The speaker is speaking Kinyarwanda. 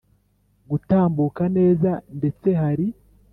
Gutambuka neza ndetse hari